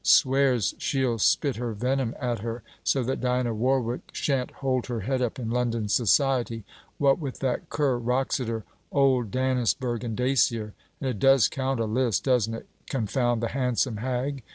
Swears she'll spit her venom at her, so that Diana Warwick shan't hold her head up in London Society, what with that cur Wroxeter, Old Dannisburgh, and Dacier. And it does count a list, doesn't it? confound the handsome hag!